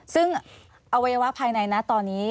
ซึ่งอวัยวะภายในนะตอนนี้